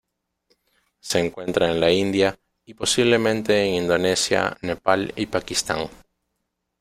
Se encuentra en la India, y posiblemente en Indonesia, Nepal y Pakistán.